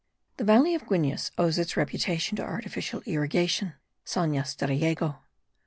The valley of Guines owes its reputation to artificial irrigation (sanjas de riego).